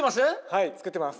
はいつくってます。